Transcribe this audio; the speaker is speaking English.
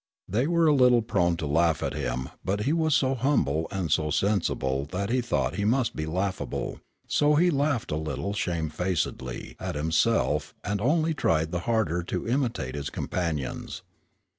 They were a little prone to laugh at him, but he was so humble and so sensible that he thought he must be laughable; so he laughed a little shamefacedly at himself, and only tried the harder to imitate his companions.